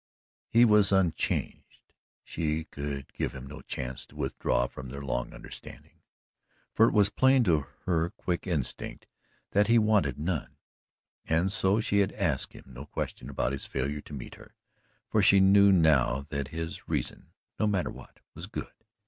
He was unchanged, she could give him no chance to withdraw from their long understanding, for it was plain to her quick instinct that he wanted none. And so she had asked him no question about his failure to meet her, for she knew now that his reason, no matter what, was good.